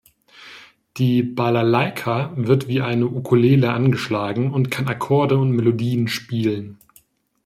Die Balalaika wird wie eine Ukulele angeschlagen und kann Akkorde und Melodien spielen.